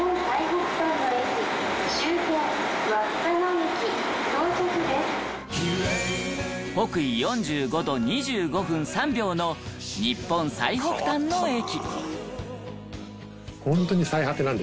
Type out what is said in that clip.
北緯４５度２５分３秒の日本最北端の駅。